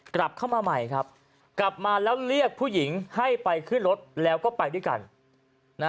กลับเข้ามาใหม่ครับกลับมาแล้วเรียกผู้หญิงให้ไปขึ้นรถแล้วก็ไปด้วยกัน